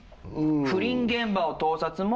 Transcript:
不倫現場を盗撮も。